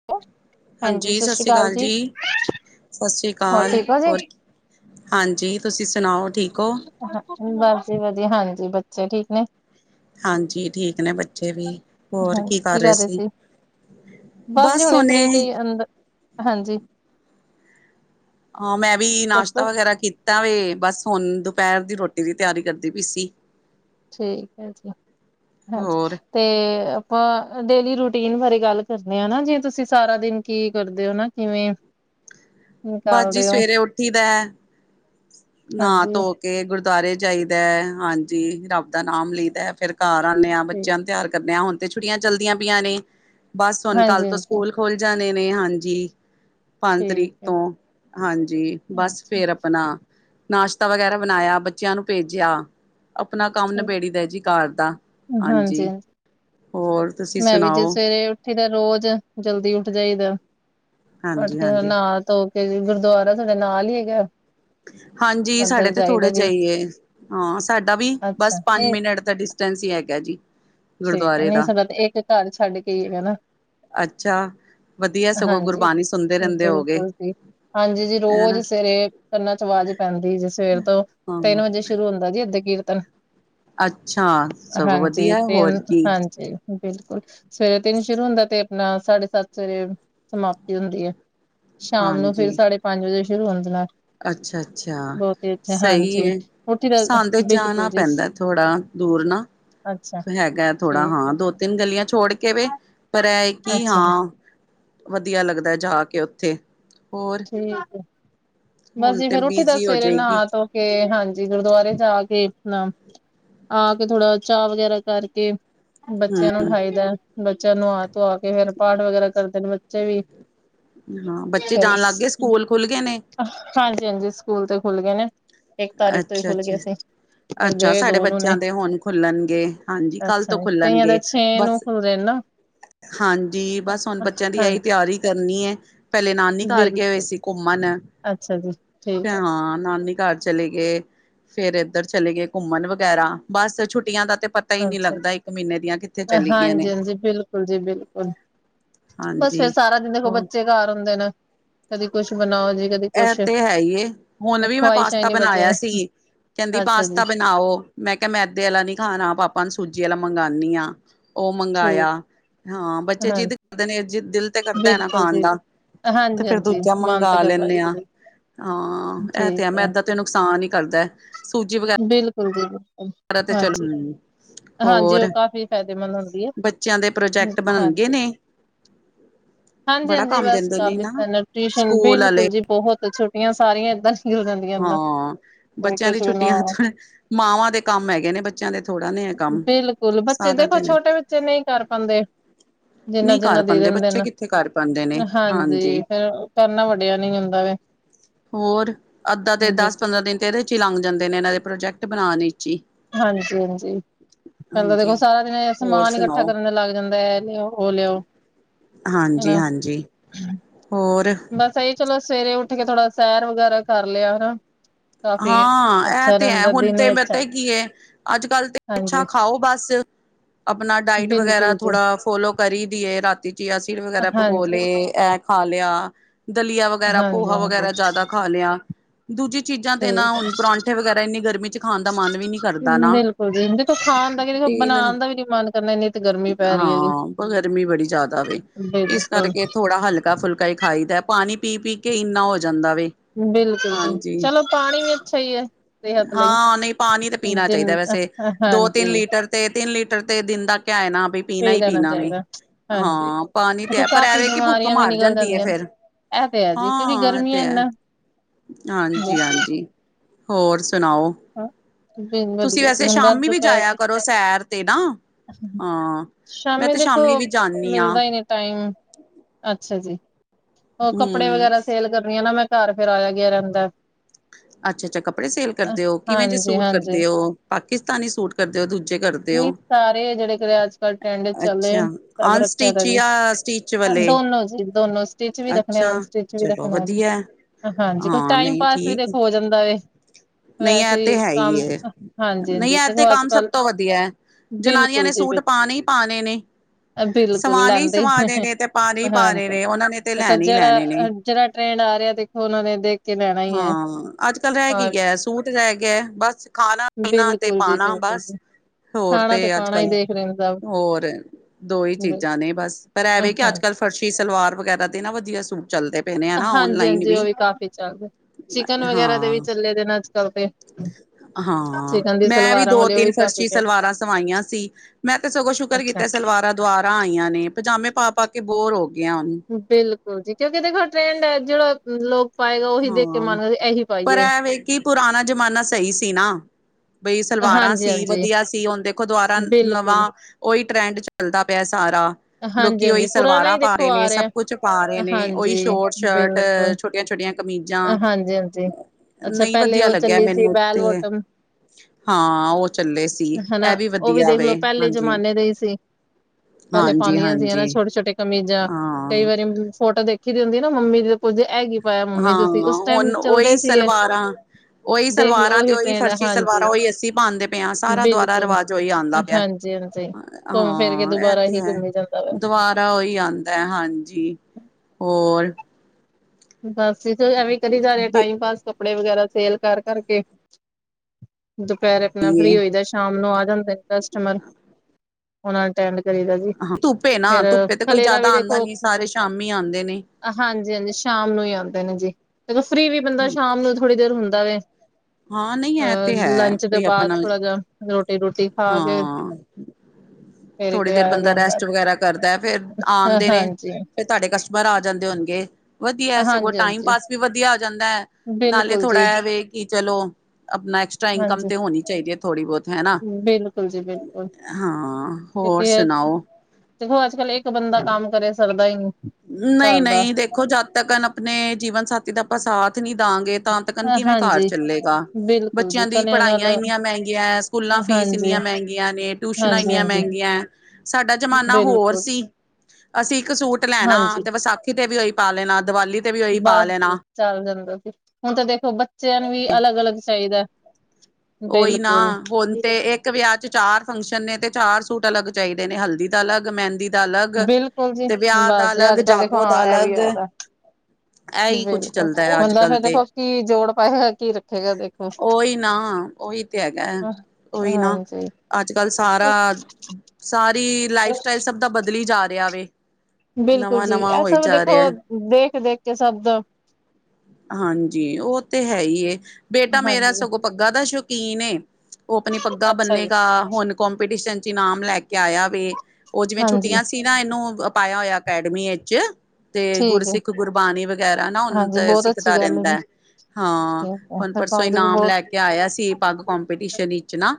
[inaudible] ਹਾਂਜੀ, ਸਤਿ ਸ਼੍ਰੀ ਸਸ਼੍ਰੀ ਅਕਾਲ ਕਾਲ ਜੀ, ਸਸ਼੍ਰੀ ਹੋਰ ਕਾਲ, ਠੀਕ ਹੋ ਹੋਰ ਜੀ ਕ ਹਾਂਜੀ, ਤੂਸੀ ਸੂਨਾਓ? [inaudible] ਬਾਸ ਜੀ ਵਦੀਆ, ਹਾਂਜੀ ਬੱਚੇ ਠੀਕ ਨੇ? ਹਾਂਜੀ, ਠੀਕ ਨੇ ਬੱਚੇ ਵੀ, ਹੋਰ ਕਿ ਹਾਂਜੀ ਕਾਰ ਕੀ ਰੇ ਕਰ ਰਹੇ ਸੀ? ਬਸ ਜੀ ਹੁਣੇ ਫਰੀ ਕੇ ਈ ਅੰਦਰ, ਹਾਂਜੀ। ਹਾਂ, ਮੈਂ ਵੀ ਦੱਸੋ ਨਾਸ਼ਤਾ ਵਗੈਰਾ ਕੀਤਾ ਵੇ, ਬਾਸ ਹੁਨ ਦੁਪੈਰ ਦੀ ਰੋਟੀ ਦੀ ਤਿਆਰੀ ਕਰਦੀ ਪਈ ਸੀ। ਠੀਕ ਹੈ ਜੀ। ਹਛਛ ਹੋਰ, ਤੇ ਆਪਾਂ ਡੇਲੀ ਰੂਟੀਨ ਬਾਰੇ ਗਾੱਲ ਕਰਨੇ ਆਂ ਨਾ ਜਿਂਵੇ ਤੂਸੀ ਸਾਰਾ ਦਿਨ ਕੀ ਕਰਦੇ ਓ ਨਾ? ਕਿਵੇਂ ਬਾਸ ਜੀ ਨਿਕਾਲਦੇ ਹੋ ਸਵੇਰੇ ਉਠੀ ਦੈ। ਨਾਂ ਹਾਂਜੀ ਧੋ ਕੇ ਗੁਰਦੁਆਰੇ ਜਾਈਦੈ, ਹਾਂਜੀ ਰਾੱਬ ਦਾ ਨਾਮ ਲਈਦੈ ਫਿਰ ਘਾਰ ਆਨੇ ਆਂ, ਠੀਕ ਬੱਚੇਆਂ ਨੂੰ ਤੇਆਰ ਕਰਨੇ ਆਂ, ਹੁਨ ਤੇ ਛੁੱਟੀਆਂ ਚੱਲਦੀਆਂ ਪਈਆਂ ਨੇ, ਬਾੱਸ ਹੁਨ ਕਾੱਲ ਹਾਂਜੀ ਤੋਂ ਹਾਂਜੀ ਸੂਕੂਲ ਖੁੱਲ ਜਾਨੇ ਨੇ ਹਾਂਜੀ, ਪਾੰਜ ਠੀਕ ਤਰੀਕ ਹੈ ਤੋਂ, ਹਾਂਜੀ, ਬਾੱਸ ਫੇਰ ਨਾ ਨਾਸ਼ਤਾ ਵਗੈਰਾ ਬਨਾਏਆ ਬੱਚੇਆਂ ਨੂੰ ਭੇਜੇਆ ਅਪਨਾ ਕਾੰਮ ਹਾਂਜੀ ਨਬੇੜੀਦਾ ਜੀ ਘਾਰ ਦਾ, ਹਾਂਜੀ, ਹੋਰ ਤੂਸੀ ਸੂਨਾਓ? ਓਠੀ ਦੈ ਰੋਜ, ਜਲਦੀ ਉਠ ਜਾਈਦੈ, ਉਠ ਹਾਂਜੀ ਕੇ ਹਾਂਜੀ ਨਾ ਧੋ ਤੇ ਗੁਰਦੁਆਰਾ ਸਾਡੇ ਨਾਲ ਈ ਹੈਗੈ ਹਾਂਜੀ, ਸਾਡੇ ਤੇ ਥੋੜੇ ਜਾ ਈ ਐ, ਹਾਂ, ਸਾਡਾ ਵੀ ਅੱਛਾ ਬਾੱਸ ਪਾੰਜ ਨਹੀਂ ਮਿੰਟ ਤਾਂ ਡਿਸਟੈਂਸ ਈ ਹੈਗੈ ਜੀ। ਠੀਕ ਐ, ਗੁਰਦੁਆਰੇ ਨੀ ਦਾ ਸਾਡਾ ਤੇ ਏਕੱ ਘਾਰ ਛਾੱਡ ਕੇ ਈ ਹੈਗਾ ਨਾ ਅੱਛਾ, ਵਦੀਐ ਸਗੋਂ ਹਾਂਜੀ ਗੁਰਬਾਨੀ ਸੁਨਦੇ ਰੈਂਦੇ ਹੋਓਗੇ। ਬਿਲਕੁਲ ਜੀ ਹਾਂਜੀ ਜੀ ਰੋਜ ਸਵੇਰੇ ਕੰਨਾਂ ਚ ਵਾਜ ਪੈਂਦੀ ਜੀ ਸਵੇਰ ਤੋਂ ਹਾਂ ਤੇੱਨ ਵਜੇ ਸ਼ੁਰੂ ਹੂਂਦ ਦਾ ਜੀ ਐਦੇ ਕੀਰਤਨ। ਅੱਛਾ, ਸਗੋਂ ਵਦੀਐ, ਹੋਰ ਕੀ। ਜੀ ਬਿਲਕੁਲ, ਸਵੇਰੇ ਤਿਨ ਸ਼ੁਰੂ ਹੁੰਦਾ ਤੇ ਨਾ ਸਾਡੇ ਸਾੱਤ ਸਵੇਰੇ ਸਮਾਪਤੀ ਹੁੰਦੀ ਏ, ਸ਼ਾਮ ਨੂੰ ਫਿਰ ਸਾਡੇ ਪਾੰਜ ਵਜੇ ਸ਼ੁਰੂ ਹੁੰਦੇ ਨਾਲ ਅੱਛਾ, ਅੱਛਾ ਬਹੁਤ ਹੀ ਅੱਛਾ ਸਈ ਹਾਂਜੀ ਏ, ਉੱਠੀ ਦਾ ਸਾਂਨ ਤੇ ਬਿਲਕੁਲ ਜਾਨਾ ਜੀ ਪੈਂਦਾ ਥੋੜਾ ਦੂਰ ਨਾ, ਅੱਛਾ ਹੈਗੈ ਥੋੜਾ ਠੀਕ ਹਾਂ ਹੈ ਦੋ-ਤਿੰਨ ਗਲੀਆਂ ਛੋੜ ਕੇ ਵੇ, ਪਰ ਐ ਏ ਕਿ, ਅੱਛਾ ਜੀ ਹਾਂ ਵਦੀਆ ਲਗਦੈ ਜਾ ਕੇ ਓਥੇ, ਹੋਰ ਠੀਕ ਐ, ਬਾਸ ਹੁਣ ਜੀ ਤੇ ਫੇਰ ਉਠੀ ਦਾ ਬਿਜੀ ਹੋ ਸਵੇਰੇ ਜਾਏਗੀ ਨਾਅ ਧੋ ਕੇ ਹਾਂਜੀ, ਗੁਰਦੁਆਰੇ ਜਾ ਕੇ ਅਪਨਾ ਆ ਕੇ ਥੋੜਾ ਚਾਹ ਵਗੈਰਾ ਕਰਕੇ। ਹੂੰ ਬੱਚਿਆਂ ਨੂੰ ਉਠਾਈਦਾ। ਬੱਚਿਆਂ ਨੂੰ ਨੂੰਆ ਧੁਆ ਕੇ ਫੇਰ ਪਾਠ ਵਗ਼ੈਰਾ ਕਰਦੇ ਨੇ ਬੱਚੇ ਵੀ। ਹਾਂ ਬੱਚ। ਚ ਹਾਂਜੀ- ਹਾਂਜੀ। ਸਕੂਲ ਤੇ ਖੁੱਲ ਗਏ ਨੇ। ਇੱਕ ਤਾਰੀਖ ਤੋਂ ਹੀ ਖੁੱਲ ਅੱਛਾ-ਅੱਛਾ ਗਏ ਸੀ। ਅੱਛਾ ਪਰ ਅੱਛਾ, ਗਏ ਸਾਡੇ ਦੋ ਨੂੰ ਨੇ। ਬੱਚਿਆਂ ਦੇ ਹੁਣ ਖੁੱਲਣਗੇ ਹਾਂਜੀ ਕੱਲ ਅੱਛਾ ਤੋਂ ਜੀ। ਕਈਆਂ ਦੇ ਖੁੱਲਣਗੇ ਛੇ ਨੂੰ ਬਸ ਖੁੱਲਦੇ ਨੇ ਨਾ। ਹਾਂਜੀ ਬਸ ਹੁਣ ਬੱਚਿਆਂ ਦੀ ਆਹੀ ਹਾਂਜੀ ਤਿਆਰੀ ਕਰਨੀ ਹੈ। ਪਹਿਲੇ ਨਾਨੀ ਘਰ ਗਏ ਹੋਏ ਬਿਲਕੁਲ ਸੀ ਘੁੰਮਣ। ਅੱਛਾ ਜੀ ਅਛ! ਠੀਕ ਹੈ ਹਾਂ, ਨਾਨੀ ਘਰ। ਚਲੇ ਗੇ। ਫੇਰ ਇੱਧਰ ਚਲੇ ਗੇ ਕੁੱਮਣ ਵਗੈਰਾ ਬਸ ਛੁੱਟੀਆਂ ਦਾ ਤੇ। ਪਤਾ ਈ ਨੀ ਅੱਛਾ ਲੱਗਦਾ ਇੱਕ ਮਹੀਨੇ ਦੀਆਂ ਕਿੱਥੇ ਚਲੀ ਗਈਆਂ ਨੇ। ਹਾਂ ਜੀ। ਬਿਲਕੁਲ ਬਸ ਹਾਂਜੀ ਫੇਰ ਸਾਰਾ ਦਿਨ ਦੇਖੋ ਇਹ ਬੱਚੇ। ਘਰ ਹੁੰਦੇ ਨੇ। ਕਦੀ ਕੁੱਛ ਬਣਾਓ ਜੀ। ਕਦੀ ਏ ਕੁਛ ਤੇ ਹੈ ਈਏ। ਹੁਣ ਵੀ ਮੈਂ ਖਵਾਹਿਸ਼ਾਂ ਹੀ ਪਾਸਤਾ ਨੀ ਬੱਚਿਆਂ ਬਣਾਇਆ ਦੀ ਸੀ। ਕਹੰਦੀ ਅੱਛਾ ਜੀ ਪਾਸਤਾ ਬਣਾਓ। ਮੈਂ ਕਿਆ ਮੈਦੇ ਅੱਲਾ ਨੀ ਖਾਣਾ। ਪਾਪਾ ਨੂੰ ਸੂਜੀ ਵਾਲਾ ਮੰਗਾਣੀ ਆ। ਓ ਠੀਕ ਮੰਗਾਆ। ਹਾਂ ਬੱਚੇ ਜਿਦ ਕਰਦੇ ਨੇ ਜਿੰਦ ਦਿਲ ਤੇ ਕਰਦਾ ਹੈ। ਨਾ ਬਿਲਕੁਲ ਖਾਣ ਜੀ ਦਾ ਤੇ ਹਾਂਜੀ ਫੇਿਰ ਹਾਂਜੀ ਦੂਜਾ ਮੰਗ ਮਨ ਤੇ ਲੈਣਾ। ਹਾਂ ਕਰਵਾਈ ਏ ਤੇ ਹੈ ਮੈਂਦਾਂ ਤੇ ਨੁਕਸਾਨ ਈ ਕਰਦਾ। ਸੂਜੀ ਵਗੈਰਾ। ਬਿਲਕੁਲ ਜੀ ਬਿਲਕੁਲ। ਸਾਰ ਤੇ ਹਾਂਜੀ ਚਲੋ ਹਾਂਜੀ ਹੋਰ। ਉਹ ਕਾਫ਼ੀ ਫਾਇਦੇਮੰਦ ਹੁੰਦੀ ਬੱਚਿਆਂ ਦੇ ਪ੍ਰੋਜੈਕਟ। ਬਣਨਗੇ ਨੇ। ਬੜਾ ਹਾਂਜੀ-ਹਾਂਜੀ ਕੰਮ ਬਸ ਦਿੰਦੇ ਕਰ ਨੇ ਨਾ ਲਿਤਾ ਏਨਾ ਟੀਉਸ਼ਨ ਸਕੂਲ ਆਲੇ ਬਿਲਕੁਲ ਜੀ। ਬਹੁਤ ਛੁੱਟੀਆਂ ਸਾਰੀਆਂ ਇਦਾਂ ਮਿਲ ਜਾਂਦੀਆਂ। ਹਾਂ ਬੱਚਿਆਂ ਕੁ ਦੀ ਚ ਛੁੱਟੀਆਂ ਬਨਾਂ ਮਾਵਾਂ ਦੇ ਕੰਮ ਹੈਗੇ ਨੇ। ਬੱਚਿਆਂ ਦੇ ਥੋੜਾ ਨੇ ਏ ਕੰਮ ਬਿਲਕੁਲ ਬੱਚੇ ਸਾਰਾ ਦੇਖੋ ਦੀਨ। ਛੋਟੇ ਬੱਚੇ ਨਈ ਕਰ ਪਾਂਦੇ। ਜਿੰਨਾ ਨਹੀਂ - ਕਰ ਜਿੰਨਾ ਦੇ ਪਾਉਂਦੇ ਦਿੰਦੇ ਬੱਚੇ ਕਿੱਥੇ ਕਰ ਪਾਉਂਦੇ ਨੇ ਹਾਂਜੀ ਫੇਰ ਕਰਨਾ ਵਡਿਆ ਨੇ ਹੁੰਦਾ ਏ। ਹੋਰ ਅੱਧਾ ਤੇ ਦਸ ਪੰਦਰਾਂ ਦਿਨ ਤੇ ਇਹਦੇ ਚ ਈ ਲੰਘ ਜਾਂਦੇ ਨੇ। ਇਹਨਾਂ ਦੇ ਪ੍ਰੋਜੈਕਟ ਬਣਾਣ ਵਿਚ। ਹਾਂਜੀ- ਹਾਂਜੀ ਮਤਲਬ ਦੇਖੋ ਹਾਂਜੀ ਸਾਰਾ ਦਿਨ ਹੋਰ ਸਮਾਨ ਇਕੱਠਾ ਸੁਣਾਓ ਕਰਨ ਤੇ ਲੱਗ ਜਾਂਦਾ। ਇਹਨ ਉਹ ਹੋ ਲਓ ਹਾਂਜੀ ਹਨਨਾ। ਹਾਂਜੀ [unintelligible] ਹੋਰ। ਬਸ ਇਹੀ ਚਲੋ ਸਵੇਰੇ ਉੱਠ ਕੇ ਥੋੜਾ ਸੈਰ- ਵਗੈਰਾ ਕਰ ਲਿਆ ਹਨਾ। ਕਾਫੀ ਹਾਂ ਏ ਅੱਛਾ ਤੇ ਹੈ ਰਹਿੰਦਾ ਹੁਣ ਦਿਨ ਤੇ ਵੀ ਅੱਛਾ ਮਤਾ ਕੀ ਹੈ। ਅੱਜ - ਕੱਲ੍ਹ ਤੇ ਅੱਛਾ ਹਾਂਜੀ ਖਾਓ ਬਸ। ਆਪਣਾ ਡਾਇਟ ਵਗੈਰਾ ਬਿਲਕੁਲ ਜੀ ਥੋੜ੍ਹਾ ਫੋਲੋ ਕਰੀ ਦੀਏ। ਰਾਤੀ ਚੀਆ ਸਿਸਡ ਵਗੈਰਾ ਪਘੋ ਹਾਂਜੀ ਲਏ ਐ। ਖਾ ਲਿਆ ਦਲੀਆ ਵਗੈਰਾ ਹਾਂਜੀ ਪੋਹਾ ਹਾਂਜੀ ਵਗੈਰਾ ਜ਼ਾਦਾ ਖਾ ਲਿਆ। ਦੂਜੀ ਚੀਜ਼ਾਂ ਤੇ ਨਾ ਠੀਕ ਹੁਣ ਪਰਾਂਠੇ ਵਗੈਰਾ ਇੰਨੀ ਗਰਮੀ ਚ ਖਾਣ ਦਾ ਮਨ ਵੀ ਨੀ ਕਰਦਾ ਨਾ। ਬਿਲਕੁਲ ਜੀ ਦੇਖੋ ਖਾਣ ਦਾ ਦੇਖੋ ਤੇਲ ਬਣਾਉਣ ਦਾ ਵੀ ਨੀ ਮਨ ਕਰਨਾ ਇੰਨੀ ਤੇ ਗਰਮੀ ਪੈ ਰਹੀ ਹੈ ਜੀ ਹਾਂ ਗਰਮੀ ਬੜੀ ਜ਼ਾਦਾ ਵੇ। ਇਸ ਬਿਲਕੁਲ ਕਰਕੇ ਥੋੜਾ ਹਲਕਾ ਹਲਕਾ - ਫੁਲਕਾ ਈ ਖਾਈ ਦਾ ਪਾਣੀ ਪੀ ਪੀ ਕੇ ਇੰਨਾ ਹੋ ਜਾਂਦਾ ਵੇ। ਬਿਲਕੁਲ ਜੀ ਹਾਂਜੀ ਚਲੋ ਪਾਣੀ ਵੀ ਅੱਛਾ ਈ ਏ। ਹਾਂ ਨੀਂ ਪਾਣੀ ਤਾਂ ਪੀਣਾ ਚਾਹੀਦਾ ਵੈਸੇ ਦੋ - ਤਿੰਨ ਹਾਂਜੀ ਲੀਟਰ। ਤੇ ਤਿੰਨ ਲੀਟਰ ਤੇ ਦਿਨ ਦਾ ਕਿਆਏ ਨਾ। ਪੀਣਾ ਪੀ ਹੀ ਲੈਣਾ ਪੀਣਾ ਵੀ ਚਾਹੀਦਾ ਹਾਂਜੀ ਹਾਂ ਪਾਣੀ ਤੇ ਦੇਖੋ ਹੈ। ਪਰ ਕਾਫ਼ੀ ਐਵੇਂ ਕਿ ਭੁੱਖ ਬਿਮਾਰੀਆਂ ਵੀ ਮਾਰ ਨਿਕਲ ਜਾਂਦੀ ਹੈ ਜਾਂਦੀਆਂ ਫੇਰ। ਇਹ ਤੇ ਹੈ ਜੀ ਕਿਉਂਕਿ ਹਾਂ ਇਹ ਗਰਮੀਆਂ ਤੇ ਹੈ। ਇੰਨਾ ਹਾਂਜੀ - ਹਾਂਜੀ ਹੋਰ ਸੁਣਾਓ। ਹਾਂ। ਵਧੀਆ ਤੁਸੀਂ ਜੀ ਵੈਸੇ ਹੁਣ ਬਸ ਸ਼ਾਮੀ ਵੀ ਦੁਪਹਿਰ ਜਾਇਆ ਦੀ। ਕਰੋ ਸੈਰ ਤੇ ਨਾ ਹਾਂ ਮੈਂ ਸ਼ਾਮੀ ਤੇ ਦੇਖੋ ਵੀ ਜਾਂਦੀ ਹਾਂ ਮਿਲਦਾ ਹੀ ਨੇ। ਟਾਈਮ ਅੱਛਾ ਜੀ। ਉਹ ਕੱਪੜੇ ਹਮ ਵਗੈਰਾ ਸੇਲ ਕਰਨ ਆ ਨਾ ਮੈਂ। ਘਰ ਫੇਰ ਆਇਆ - ਗਿਆ ਰਹੰਦਾ। ਅੱਛਾ - ਅੱਛਾ ਕੱਪੜੇ ਸੇਲ ਕਰਦੇ ਓ। ਹਾਂਜੀ - ਹਾਂਜੀ ਸੂਟ ਕਰਦੇ ਹੋ ਦੂਜੇ ਕਰਦੇ ਨੀ ਹੋ ਸਾਰੇ ਜਿਹੜੇ ਕਰਿਆ। ਟਡ ਚਲੇ ਅੱਛਾ ਸਬ ਰੱਖਿਆ ਤ ਅਨਸਟਿਚ ਜੀ ਜਾਂ ਸਟਿਚ ਵਾਲੇ ਦੋਨੋ ਜੀ ਦੋਨੋ। ਸਟਿਚ ਵੀ ਰੱਖਣੇ ਅੱਛਾ ਅਨਸਟਿਚ ਵੀ ਚਲੋ ਰੱਖਣੇ ਜੀ। ਵਧੀਆ ਹਾਂਜੀ ਕੁਛ ਹਾਂ ਟਾਈਮ ਪਾਸ ਵੀ ਦੇਖ ਹੋ ਜਾਂਦਾ ਵੇ। ਨੀਂ ਇਹ ਵੈਸੇ ਤੇ ਹੈ ਹੀ ਕੰਮ ਏ ਹਾਂਜੀ ਨਈ। ਹਾਂਜੀ ਇਹ ਤੇ ਦੇਖੋ ਅੱਜ ਕੰਮ ਸਭ ਕੱਲ ਤੋਂ ਵਧੀਆ। ਜਨਾਨੀਆਂ ਬਿਲਕੁਲ ਨੇ ਜੀ ਸੂਟ ਬਿਲਕੁਲ ਪਾਣੇ ਈ ਪਾਣੇ ਨੇ। ਸਵਾਣੇ ਹੀ ਸਵਾਣੇ ਦੇ ਨੇ ਤੇ ਪਾਣੇ ਹੀ ਪਾਣੇ ਨੇ। ਉਨਾਂ ਨੇ ਤੇ ਲੈਣੇ ਹੀ ਲੈਣੇ ਨੇ। ਜੜਰਾ ਟ੍ਰੈਂਡ ਆ ਰਿਹਾ। ਦੇਖੋ ਉਹਨਾਂ ਨੇ ਦੇਖ। ਕੇ ਲੈਣਾ ਹੀ ਹੈ। ਹਾਂ ਅੱਜ ਕੱਲ ਰਹਿ ਕੀ ਹਾਂ ਗਿਆ। ਸੂਟ ਰਹਿ ਗਿਆ ਬਸ। ਖਾਣਾ ਪੀਣਾ ਅਤੇ ਬਿਲਕੁਲ ਜੀ ਪਾਉਣਾ ਬਿਲਕੁਲ ਬਸ। ਜੀ ਹੋਰ ਖਾਣਾ ਤੇ ਅੱਜ ਪਾਣਾ ਹੀ ਕੱਲ ਦੇਖ ਰਹੇ ਨੇ ਸਭ ਹੋਰ ਦੋ ਹੀ ਬਿਲ- ਚੀਜ਼ਾਂ ਨੇ ਬਸ ਪਰ ਅ, ਐਵੇਂ ਕਿ ਅੱਜ ਹਾਂ - ਕੱਲ। ਫਰਸ਼ੀ ਸਲਵਾਰ ਵਗੈਰਾ ਦੇ ਨਾ ਵਧੀਆ ਸੂਟ। ਚੱਲਦੇ ਪਏ ਨੇ। ਹਨਾ ਹਾਂਜੀ - ਔਨਲਾਈਨ ਹਾਂਜੀ। ਉਹ ਵੀ ਕਾਫੀ ਚੱਲਦੇ ਚਿਕਨ ਵਗੈਰਾ ਦੇ ਵੀ ਹਾਂ ਚੱਲੇ ਦੇ ਨੇ ਅੱਜ ਕੱਲ ਦੇ। ਹਾਂ ਮੈਂ ਵੀ ਦੋ ਤਿੰਨ ਕਾਫੀ ਫਰਸ਼ੀ ਟ੍ਰੈਂਡ। ਸਲਵਾਰਾਂ ਸਵਾਈਆਂ ਸੀ। ਮੈਂ ਤੇ ਸਗੋਂ ਸ਼ੁਕਰ ਅੱਛਾ ਕੀਤਾ ਸਲਵਾਰਾਂ ਦਾ। ਦੁਆਾਰਾ ਆਈਆਂ ਨੇ ਪਜਾਮੇ ਪਾ ਪਾ ਕੇ ਬੋਰ ਹੋ ਗਿਆ। ਉਹਨੂੰ ਬਿਲਕੁਲ ਜੀ। ਕਿਉਂਕਿ ਦੇਖੋ ਟਰੈਂਡ ਜਿਹੜਾ ਲੋਕ। ਪਾਏਗਾ ਉਹੀ ਦੇਖ ਕੇ ਹਾਂ ਮਨ। ਇਹੀ ਪਰ ਪਾਈਏ ਐ ਵੇ ਕਿ ਪੁਰਾਣਾ ਜ਼ਮਾਨਾ ਸਹੀ ਸੀ ਨਾਂ। ਬਈ ਸਲਵਾਰਾਂ ਹਾਂਜੀ ਸੀ ਹਾਂਜੀ ਵਧੀਆ ਸੀ। ਹੁਣ ਦੇਖੋ ਦੁਬਾਰਰਾ ਬਿਲਕੁਲ ਨਵਾਂ। ਉਹੀ 'ਟਰੈਂਡ' ਚੱਲਦਾ ਪਿਆ ਸਾਰਾ। ਹਾਂਜੀ ਲੋਕੀ ਉਹੀ ਹਾਂਜੀ ਪੁਰਾਣਾ ਸਲਵਾਰਾਂ ਹੀ ਪਾ ਦੇਖੋ ਰਹੇ ਨੇ ਆ ਸਭ ਰਿਹਾ ਕੁਛ ਪਾ ਰਹੇ ਨੇ। ਉਹੀ ਹਾਂਜੀ ਸ਼ੋਰਟ ਸ਼ਰਟ ਬਿਲਕੁਲ ਛੋ। ਛੋਟੀਆਂ। ਕਮੀਜ਼ਾਂ ਹਾਂਜੀ ਹਾਂਜੀ ਅੱਛਾ। ਨਹੀਂ ਪਹਿਲੇ ਵਧੀਆ ਉਹ ਲੱਗਿਆ ਚੱਲੀ ਸੀ ਮੈਨੂੰ ਤੇ ਵੈਲਵੋਟਮ। ਹਾਂ ਉਹ ਚੱਲੇ ਸੀ ਹਨਾ। ਇਹ ਉਹ ਵੀ ਵਧੀਆ ਦੇਖਲੋ ਵੇ ਪਹਿਲੇ ਹਾਂਜੀ ਜ਼ਮਾਨੇ ਦਾ ਹੀ ਸੀ। ਪਹਿਲੇ ਹਾਂਜੀ ਪਾਉਂਦੀਆਂ ਸੀ ਨਾ ਹਾਂਜੀ ਛੋਟੇ - ਛੋਟੇ ਕਮੀਜ਼ਾਂ ਕਈ ਹਾਂ, ਵਾਰੀ ਫੋਟੋ ਦੇਖ। ਅੱਖੀਰੀ ਹੁੰਦੀ ਨਾ। ਮੰਮੀ ਤੇ ਪੁੱਜੇ ਹੈ ਹੀ ਪਾਇਆ ਮੰਮੀ ਹਾਂ ਤੁਸੀਂ। ਉਸ ਟਾਈਮ ਹੁਣ ਚੱਲਦੇ ਓਹੀ ਸੀਗੇ ਸਲਵਾਰਾਂ। ਉਹੀ ਦੇਖਲੋ ਸਲਵਾਰਾਂ ਤੇ ਉਹੀ ਟ੍ਰੇਡ ਫਰਸ਼ੀ ਹਾਂਜੀ ਸਲਵਾਰਾਂ ਉਹੀ ਅੱਸੀ ਪਾਉਂਦੇ ਪਏ ਹਾਂ। ਸਾਰਾ ਦੁਬਾਰਾ ਬਿਲਕੁਲ ਰਿਵਾਜ਼ ਉਹੀ ਆਉਂਦਾ ਪਿਆ। ਹਾਂਜੀ ਹਾਂਜੀ ਘੁੰਮ ਫਿਰ ਕੇ ਹਾਂ ਇਹ ਦੁਬਾਰਾ ਤੇ ਹੀ ਹੈ ਘੁੰਮੀ ਜਾਂਦਾ ਵਾ ਦੋਬਾਰਾ। ਬੜਾ ਉਹੀ ਆਉਂਦਾ ਹੈ। ਹਾਂਜੀ ਹੋਰ। ਬਸ ਐਵੇਂ ਕਰੀ ਜਾਰਹੇ ਦਾ। ਟਾਈਮ ਪਾਸ ਕੱਪੜੇ ਵਗੈਰਾ ਸੇਲ ਕਰ ਕਰਕੇ। ਦੁਪਹਿਰ ਆਪਣਾ ਫ੍ਰਰੀ ਹੋਈ ਦਾ। ਸ਼ਾਮ ਨੂੰ ਆ ਜਾਂਦੇ ਨੇ ਕਸਟਮਰ ਉਹਨਾਂ ਅਟੈਂਡ ਕਰੀ ਦਾ। ਧੁੱਪੇ ਨਾ ਧੁੱਪੇ ਤੇ ਕੋਈ ਜ਼ਿਆਦਾ ਆਉਂਦਾ ਦੇਖੋ ਨੀ। ਸਾਰੇ ਸ਼ਾਮੀ ਆਉਂਦੇ ਨੇ। ਹਾਂਜੀ ਹਾਂਜੀ ਸ਼ਾਮ ਨੂੰ ਹੀ ਆਉਂਦੇ ਨੇ ਜੀ। ਤੇ ਫ੍ਰਰੀ ਵੀ ਬੰਦਾ ਸ਼ਾਮ ਨੂੰ ਥੋੜ੍ਹੀ ਦੇਰ ਹੁੰਦਾ ਵੇ। ਹਾਂ ਨਹੀਂ ਇਹ ਅਹ ਤੇ ਹੈ। ਲੰਚ ਦੇ ਬਈ ਆਪਾਂ ਬਾਅਦ ਨਾਲ ਥੋੜਾ ਜਿਹਾ ਰੋਟੀ ਰੋਟੀ ਖਾ ਕੇ ਹਾਂ। ਫੇਰ ਹੀ ਥੋੜ੍ਹੀ ਕੋਈ ਦੇਰ ਆਇਆ ਗਿਆ ਬੰਦਾ ਹੁੰਦਾ ਰੈਸਟ ਵਗੈਰਾ ਕਰਦਾ ਫੇਿਰ ਹਾਂ ਆਉਂਦੇ ਨੇ। ਹਾਂਜੀ ਫਿਰ ਤੁਹਾਡੇ ਕਸਟਮਰ ਆ ਜਾਂਦੇ ਹੋਣਗੇ। ਵਧੀਆ ਸਗੋਂ ਹਾਂਜੀ ਟਾਈਮ ਹਾਂਜੀ ਪਾਸ ਵੀ ਵਧੀਆ ਹੋ ਜਾਂਦਾ ਹੈ। ਨਾਲੇ ਬਿਲਕੁਲ ਥੋੜਾ ਜੀ ਇਹਵੇ ਕਿ ਚਲੋ। ਆਪਣਾ ਐਕਸਟਰਾ ਇਨਕਮ ਹਾਂਜੀ ਤੇ ਹੋਣੀ ਚਾਹੀਦੀ ਹੈ। ਥੋੜ੍ਹੀ ਬਹੁਤ ਹਨਾ। ਬਿਲਕੁਲ ਜੀ ਬਿਲਕੁਲ ਹੋਰ ਕਿਉਂਕਿ ਸੁਣਾਓ ਦੇਖੋ ਅੱਜ- ਕੱਲ ਇੱਕ ਬੰਦਾ ਕੰਮ ਕਰੇ ਸਰਦਾ ਹੀ ਨਹੀਂ। ਨਹੀਂ - ਨਹੀਂ ਦੇਖੋ ਜਦ ਤੱਕ ਆਪਣੇ ਜੀਵਨ ਸਾਥੀ। ਜੇ ਆਪਾਂ ਸਾਥ ਨਹੀਂ ਦਾਂਗੇ ਤਾਂ ਤੱਕਨ ਕਿਵੇਂ ਕਾਰ ਹਾਂਜੀ ਚੱਲੇਗਾ। ਬਿਲਕੁਲ ਜੀ ਬੱਚਿਆਂ ਦੀ ਕਲਿਆਂ ਨਾਲ ਪੜ੍ਹਾਈਆਂ ਇੰਨੀਆਂ ਮਹਿੰਗੀਆਂ। ਸਕੂਲਾਂ ਫੀਸ ਹਾਂਜੀ ਇੰਨੀਆਂ ਮਹਿੰਗੀਆਂ ਨੇ ਟਿਊਸ਼ਨਾਂ ਹਾਂਜੀ ਇੰਨੀਆਂ ਹਾਂਜੀ ਮਹਿੰਗੀਆਂ। ਸਾਡਾ ਜ਼ਮਾਨਾ ਹੋਰ ਬਿਲਕੁਲ ਸੀ। ਅਸੀਂ ਇੱਕ ਸੂਟ ਲੈਣਾ ਹਾਂਜੀ ਤੇ ਵਿਸਾਖੀ ਤੇ ਵੀ ਉਹੀ ਪਾ ਲੈਣਾ। ਦੀਵਾਲੀ ਤੇ ਵੀ ਉਹੀ ਪਾ ਬਸ ਜੀ ਲੈਣਾ। ਚੱਲ ਜਾਂਦਾ ਸੀ ਹੁਣ ਤਾਂ ਦੇਖੋ ਬੱਚਿਆਂ ਨੂੰ ਵੀ ਅਲੱਗ - ਅਲੱਗ ਚਾਹੀਦਾ। ਉਹੀ ਨਾ। ਬਿਲਕੁਲ ਹੁਣ ਤੇ ਇੱਕ ਵਿਆਹ ਚ ਚਾਰ। ਫੰਕਸ਼ਨ ਨੇ ਤੇ ਚਾਰ ਸੂਟ ਅਲੱਗ ਚਾਹੀਦੇ ਨੇ ਹਲਦੀ ਦਾ ਅਲੱਗ ਮਹਿੰਦੀ। ਦਾ ਅਲੱਗ ਬਿਲਕੁਲ ਜੀ ਤੇ ਵਿਆਹ ਦਾ ਬਸ ਜੀ ਅਲੱਗ ਅੱਜ ਕੱਲ ਦੇਖੋ ਜਾਗੋ ਦਾ ਹਾਂ ਇਹ ਵੀ ਅਲੱਗ। ਹੈਗਾ ਇਹਹੀ ਕੁੱਛ ਬਿਲਕੁਲ ਚੱਲਦਾ ਹੈ। ਅੱਜ ਬੰਦਾ ਕੱਲ ਫੇਰ ਤੇ ਦੇਖੋ ਕੀ ਜੋੜ ਪਾਏਗਾ ਕੀ ਰੱਖੇਗਾ ਦੇਖੋ ਉਹੀ ਨਾ ਉਹੀ। ਤੇ ਹੈਗਾ ਉਹੀ ਨਾ। ਹਾਂਜੀ ਅੱਜ ਕੱਲ੍ਹ ਸਾਰਾ। ਸਾਰੇ ਲਾਈਫ ਸਟਾਈਲ ਸਭ ਦਾ ਬਦਲੀ ਜਾ ਰਿਹਾ ਵੇ। ਬਿਲਕੁਲ ਨਵਾਂ ਜੀ, ਨਵਾਂ ਇਹ ਹੋਈ ਸਭ ਜਾ ਦੇਖੋ ਰਿਹਾ। ਦੇਖ-ਦੇਖ ਕੇ ਸਬਦਾ। ਹਾਂਜੀ, ਓ ਤੇ ਹੈ ਈ ਏ, ਬੇਟਾ ਮੇਰਾ ਹਾਂਜੀ ਸਗੋਂ ਪੱਗਾ ਦਾ ਸ਼ੌਕੀਨ ਏ। ਓ ਅਪਣੀ ਪੱਗਾ ਅੱਛਾ ਜੀ ਬੰਨੇਗਾ ਹੁਨ ਕੋਂਪੀਟੀਸ਼ਨ ਚ ਇਨਾਮ ਲੈ ਕੇ ਆਇਆ ਵੇ, ਓ ਜਿਵੇਂ ਹਾਂਜੀ ਛੁੱਟੀਆਂ ਸ ਏਨਾ ਇਹਨੂੰ ਪਾਇਆ ਓਇਆ ਅਕੈਡਮੀ ਇਚ। ਤੇ ਠੀਕ ਹੈ ਗੁਰਸਿੱਖ ਗੁਰਬਾਣੀ ਵਗੈਰਾ ਨਾ ਉਨ ਹਾਂਜੀ ਤੇ ਬਹੁਤ ਸੀ ਅੱਛੀ ਤਾ ਗੱਲ ਹੈ ਜੀ ਰਹਿੰਦੈ, ਹਾਂ, ਠੀਕ ਹੈ ਪਨ ਪਰਸੋਂ ਸਰਪਾਲ ਦੀ ਵੀ ਇਨਾਮ ਬਹੁਤ ਲੈ ਕੇ ਆਇਆ ਸੀ ਪੱਗ ਕੋਂਪ ਪਟੀਸ਼ਨੀ ਚ ਨਾ।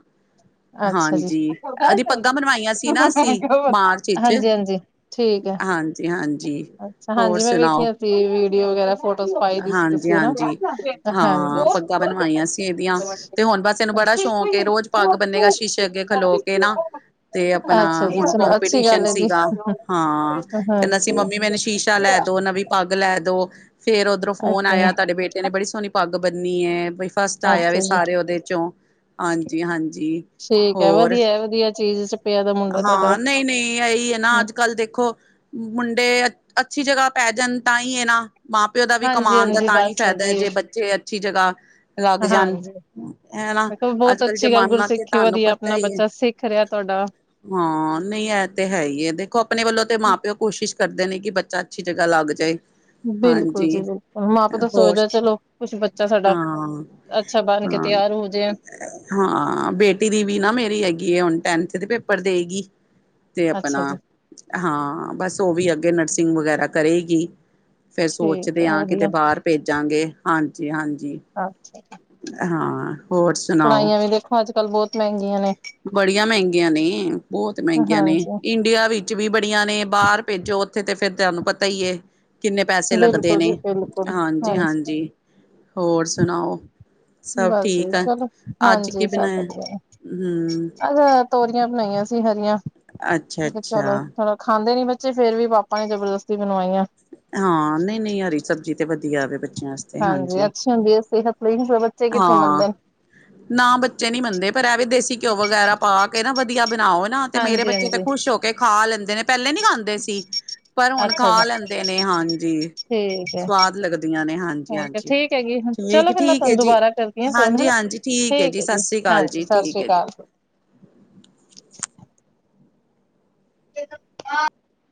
ਅੱਛਾ ਜੀ ਹਾਂਜੀ, ਅਜੇ ਪੱਗਾਂ ਹਾਂਜੀ ਬਨਵਾਈਆਂ ਸੀ ਨਾ ਅਸੀਂ ਮਾਰਚ ਇੱਚ। ਹਾਂਜੀ ਠੀਕ ਹੈ ਹਾਂਜੀ-ਹਾਂਜੀ, ਹੋਰ ਸੁਣਾਓ? ਤੇ ਵੀਡੀਓ ਵਗੈਰਾ ਫੋਨ ਹਾਂਜੀ-ਹਾਂਜੀ, ਹਾਂਜੀ। ਹਾਂ, ਪੱਗਾਂ ਬਨਵਾਈਆਂ ਸੀ ਇਹਦੀਆਂ। ਤੇ ਹੁਨ ਬਸ ਇਹਨੂੰ ਬੜਾ ਸ਼ੌਂਕ ਏ, ਰੋਜ਼ ਪਾਗ ਬੰਨੇਗਾ ਸ਼ੀਸ਼ੇ ਅੱਗੇ ਖਲੋ ਕੇ ਨਾ। ਤੇ ਆਪਣਾ ਅੱਛਾ ਜੀ ਹੁਣ ਚਲੋ ਅੱਛੀ ਕੋਂਪੀਟੀਸ਼ਨ ਗੱਲ ਹੈ ਜੀ। ਸੀਗਾ ਹਾਂਜੀ ਹਾਂ, ਅੱਛਾ ਕਹਿੰਦਾ ਸੀ ਮ ਜੀ ਬੀ ਮੈਨੂੰ ਸ਼ੀਸ਼ਾ ਲੈ ਦੋ, ਨਵੀ ਪੱਗ ਲੈ ਦੋ, ਫੇਰ ਓਧਰੋ ਫੋਨ ਆਇਆ ਅੱਛਾ ਤਾਡੇ ਬੇਟ ਏਨੇ ਬੜੀ ਸੋਨੀ ਪੱਗ ਬੰਨੀ ਏ ਬੀ ਫਸਟ ਆਇਆ ਵੇ ਜੀ। ਸਾਰੇ ਓਦੇ ਚੋਂ। ਹਾਂਜੀ-ਹਾਂਜੀ। ਠੀਕ ਹੈ ਹੋਰ, ਵਧੀਆ ਵਧੀਆ ਚੀਜ਼ ਚ ਪਿਆ ਦਾ ਮੁੰਡਾ ਤੁਹਾਡਾ। ਹਾਂ ਨੲੀਂ-ਨੲੀਂ ਇਹੀ ਐ ਨਾ ਅੱਜ ਕੱਲ ਦੇਖੋ, ਮੁੰਡੇ ਅੱਛੀ ਜਗ੍ਹਾ ਪੈ ਜਾਣ ਤਾਂਈਂ ਏ ਨਾ ਮਾਂ ਪੇ ਦਾ ਵੀ ਹਾਂਜੀ ਕਮਾਣ ਦਾ ਹਾਂਜੀ ਤਾਂਈਂ ਬਸ ਫੈਦੈ ਜੀ ਜੇ ਬੱਚੇ ਅੱਛੀ ਜਗ੍ਹਾ ਲੱਗ ਜਾਣ। ਹਾਂਜੀ। ਹੈ ਨਾ, ਮੈਂ ਕਿਹਾ ਅੱਜ ਬਹੁਤ ਕੱਲ ਅੱਛੀ ਗੱਲ ਜ਼ਮਾਨਾ ਤੇ ਗੁਰਸਿੱਖੀ ਤਾਨੂੰ ਵਧੀਆ ਪਤਾ ਆਪਣਾ ਈ ਏ। ਬੱਚਾ ਸਿੱਖ ਰਿਹਾ ਤੁਹਾਡਾ। ਹਾਂ, ਨਹੀਂ ਐ ਤੇ ਹੈ ਈ ਏ ਦੇਖੋ ਅਪਣੇ ਵੱਲੋਂ ਤੇ ਮਾਂ ਪਿਓ ਕੋਸ਼ਿਸ਼ ਕਰਦੇ ਨੇ ਕਿ ਬੱਚਾ ਅੱਛੀ ਜਗ੍ਹਾ ਲੱਗ ਜਾਏ। ਬਿਲਕੁਲ ਜੀ ਹਾਂਜੀ ਬਿਲਕੁਲ, ਮਾਂ ਪਿਓ ਤਾਂ ਹੋਰ ਸੋਚਦਾ ਚੱਲੋ ਕੁਛ ਬੱਚਾ ਸਾਡਾ ਹਾਂ ਅੱਛਾ ਬੰਨ ਕੇ ਹਾਂ ਤਿਆਰ ਹੋਜੇ। ਹਾਂ, ਬੇਟੀ ਦੀ ਵੀ ਨਾ ਮੇਰੀ ਹੈਗੀ ਏ ਹੁਨ ਟੈਨਥ ਦੇ ਪੇਪਰ ਦੇਗੀ‌। ਤੇ ਅਪਨਾ, ਅੱਛਾ ਜੀ ਹਾਂ ਬਸ ਓ ਵੀ ਅੱਗੇ ਨਰਸਿੰਗ ਵਗੈਰਾ ਕਰੇਗੀ। ਫਿਰ ਠੀਕ ਸੋਚਦੇ ਹੈ ਆਂ ਕਿਤੇ ਵਧੀਆ ਬਾਰ ਭੇਜਾਂਗੇ, ਹਾਂਜੀ-ਹਾਂਜੀ। ਅਛ। [unintelligible] ਹਾਂ ਹੋਰ ਸ ਪੜ੍ਹਾਈਆਂ ਵੀ ਵੇਖੋ ਅੱਜ ਕੱਲ੍ਹ ਬੋਤ ਮਹਿੰਗੀਆਂ ਨੇ। ਬੜੀਆਂ ਮੈਂਗੀਆਂ ਨੇ ਬੋਤ ਮਹਿੰਗੀਆਂ ਨੇ ਹਾਂਜੀ ਇੰਡੀਆ ਵਿ ਚ ਵੀ ਬੜੀਆਂ ਨੇ ਬਾਰ ਭੇਜੋ ਓਥੇ ਤੇ ਫੇਰ ਤਾਹਨੂੰ ਪਤਾ ਈ ਏ। ਕਿੰਨੇ ਪੈਸੇ ਲੱਗਦੇ ਬਿਲਕੁਲ ਨੇ, ਜੀ ਬਿਲਕੁਲ ਹਾਂਜੀ ਹਾਂਜੀ-ਹਾਂਜੀ। ਹੋਰ ਸੁਣਾਓ? ਸਭ ਬਸ ਜੀ, ਠੀਕ ਆ ਚੱਲੋ ਅੱਜ ਹਾਂਜੀ ਕੀ ਸਭ ਬਣਾਇਆ ਵਧੀਆ। ਹਮ ਆ ਨਾ ਤੋਰੀਆਂ ਬਣਾਈਆਂ ਸੀ ਹਰੀਆਂ, ਅੱਛਾ ਅੱਛਾ ਚਲੋ [unintelligible] ਖਾਂਦੇ ਨੀ ਬੱਚੇ ਫਿਰ ਵੀ ਪਾਪਾ ਨੇ ਜਬਰਦਸਤੀ ਬਨਵਾਈਆ। ਹਾਂ ਨੲੀਂ ਨੲੀਂ ਹਰੀ ਸਬਜ਼ੀ ਤੇ ਵਦੀਆ ਵੇ ਬੱਚਿਆਂ ਆਸਤੇ ਹਾਂਜੀ, ਅੱਛੀ ਹੁੰਦੀ ਹੈ ਸਿਹਤ ਲਈ ਬੱਚੇ ਕਿੱਥੇ ਹਾਂ। ਮੰਨਦੇ ਨੇ। ਨਾ ਬੱਚੇ ਨੀ ਮੰਨਦੇ ਪਰ ਐ ਵੇ ਦੇਸੀ ਘਿਓ ਵਗੈਰਾ ਪਾ ਕੇ ਨਾ ਵ ਦੀਆ ਬਨਾਓ ਨਾ, ਤੇ ਮੇਰੇ ਹਾਂਜੀ ਬੱਚੇ ਤੇ ਹਾਂਜੀ ਖੁਸ਼ ਹੋਕੇ ਖਾ ਲੈਂਦੇ ਨੇ। ਪੈਲੇ ਨੀ ਖਾਂਦੇ ਸੀ ਪਰ ਹੁਨ ਅੱਛਾ ਖਾ ਜੀ ਲੈਂਦੇ ਨੇ, ਹਾਂਜੀ। ਠੀਕ ਹੈ ਸਵਾਦ ਲੱਗਦੀਆਂ ਨੇ, ਹੋਰ ਹਾਂਜੀ-ਹਾਂਜੀ, ਠੀਕ ਹੈਗੀ ਠੀਕ ਚਲੋ ਫਿਰ ਮੈਂ ਏ-ਠੀਕ ਏ ਤੁਹਾਨੂੰ ਜੀ। ਦੁਬਾਰਾ ਕਰਦੀ ਹਾਂ ਫੋਨ ਹਨਾ ਹਾਂਜੀ-ਹਾਂਜੀ, ਠੀਕ ਏ ਜੀ। ਹੈ ਸਸ੍ਰੀ ਕਾਲ ਹਾਂਜੀ ਜੀ, ਸਤਿ ਠੀਕ ਸ੍ਰੀ ਏ ਜੀ। ਅਕਾਲ [inaudible] [inaudible]